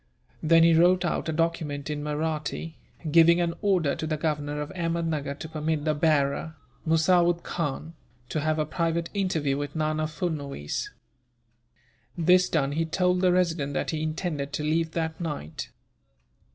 Then he wrote out a document in Mahratti, giving an order to the governor of Ahmednuggur to permit the bearer, Musawood Khan, to have a private interview with Nana Furnuwees. This done, he told the resident that he intended to leave that night.